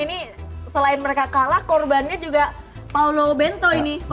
ini selain mereka kalah korbannya juga paulo bento ini